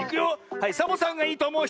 はいサボさんがいいとおもうひと！